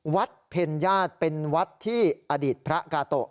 เพ็ญญาติเป็นวัดที่อดีตพระกาโตะ